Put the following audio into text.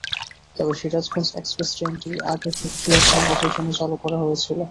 তবে সিরাজগঞ্জ এক্সপ্রেস ট্রেনটি আগে শুধু সিরাজগঞ্জবাসীর জন্য চালু করা হয়েছিল।